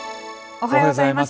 おはようございます。